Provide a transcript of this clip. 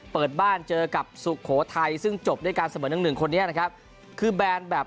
เปิดบ้านเจอกับสุโขทัยซึ่งจบด้วยการเสมอหนึ่งหนึ่งคนนี้นะครับคือแบนแบบ